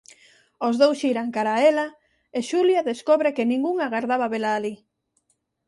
Os dous xiran cara a ela e Xulia descobre que ningún agardaba vela alí.